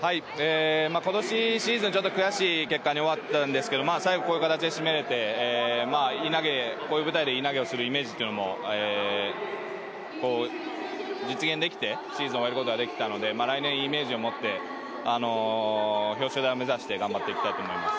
今年、シーズンちょっと悔しい結果に終わったんですけど最後、こういう形で締めれて、こういう舞台でいい投げをするイメージも実現できてシーズンを終えることができたので来年イメージを持って表彰台を目指して頑張っていきたいと思います。